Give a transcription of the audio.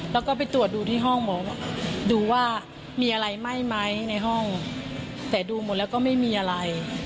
แล้วก็ไปตรวจดูที่ห้องหมอดูว่ามีอะไรไหม้ไหมในห้องแต่ดูหมดแล้วก็ไม่มีอะไร